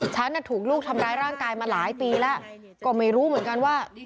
ฉันถูกลูกทำร้ายร่างกายมาหลายปีแล้วก็ไม่รู้เหมือนกันว่า